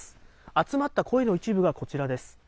集まった声の一部がこちらです。